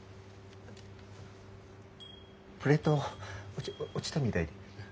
プレート落ち落ちたみたいで。